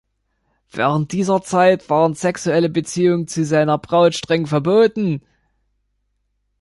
Während dieser Zeit waren sexuelle Beziehungen zu seiner Braut streng verboten.